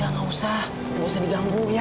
gak gak usah gak usah diganggu ya